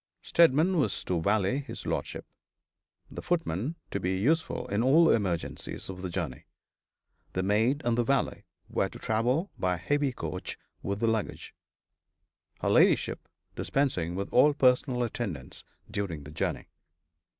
Steadman was to valet his lordship, the footman to be useful in all emergencies of the journey. The maid and the valet were to travel by heavy coach, with the luggage her ladyship dispensing with all personal attendance during the journey.